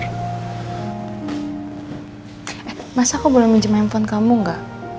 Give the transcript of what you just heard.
eh masa aku boleh minjem handphone kamu nggak